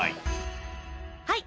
はい！